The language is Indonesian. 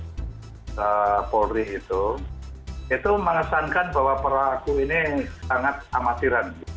mabes polri itu mengesankan bahwa perlaku ini sangat amatiran